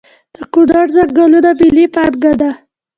د کنړ ځنګلونه ملي پانګه ده؟